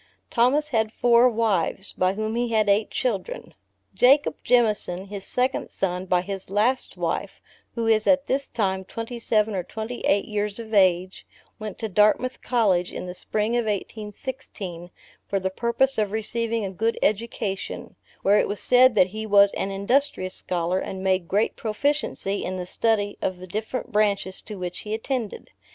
Thomas had four wives, by whom he had eight children. Jacob Jemison, his second son by his last wife, who is at this time twenty seven or twenty eight years of age, went to Dartmouth college, in the spring of 1816, for the purpose of receiving a good education, where it was said that he was an industrious scholar, and made great proficiency in the study of the different branches to which he attended.